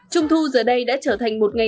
trung thu giờ đây đã trở thành một ngành